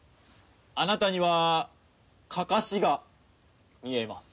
あなたにはカカシが見えます。